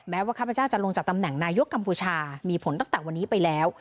ว่าข้าพเจ้าจะลงจากตำแหน่งนายกกัมพูชามีผลตั้งแต่วันนี้ไปแล้ว